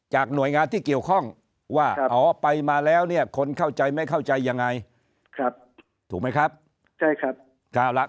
หน่วยงานที่เกี่ยวข้องว่าอ๋อไปมาแล้วเนี่ยคนเข้าใจไม่เข้าใจยังไงครับถูกไหมครับใช่ครับ